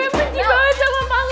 pak alek berkorban